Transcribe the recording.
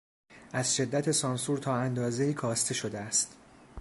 از شدت سانسور تا اندازهای کاسته شده است.